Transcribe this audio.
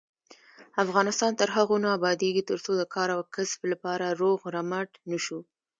افغانستان تر هغو نه ابادیږي، ترڅو د کار او کسب لپاره روغ رمټ نشو.